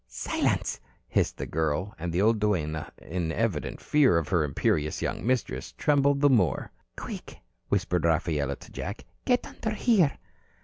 "Silence," hissed the girl, and the old duenna in evident fear of her imperious young mistress, trembled the more. "Quick," whispered Rafaela to Jack, "get under here."